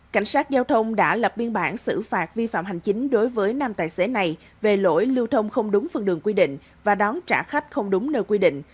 cảnh sát giao thông đã lập biên bản xử phạt vi phạm hành chính đối với năm tài xế này về lỗi lưu thông không đúng phương đường quy định và đón trả khách không đúng nơi quy định